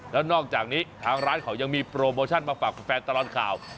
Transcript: แล้วนอกจากนี้ทางร้านเขายังมีโปรโมชั่นมาฝากแฟนตลอดข่าว